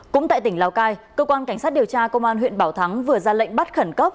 cũng tại tỉnh lào cai cơ quan cảnh sát điều tra công an huyện bảo thắng vừa ra lệnh bắt khẩn cấp